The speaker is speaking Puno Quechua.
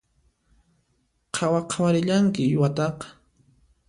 Qhawa qhawarillanki uywataqa